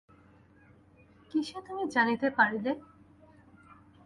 কিসে তুমি জানিতে পারিলে?